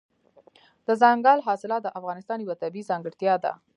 دځنګل حاصلات د افغانستان یوه طبیعي ځانګړتیا ده.